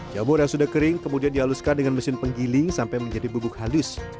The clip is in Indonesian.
jamur yang sudah kering kemudian dihaluskan dengan mesin penggiling sampai menjadi bubuk halus